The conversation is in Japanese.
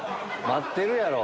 待ってるやろ！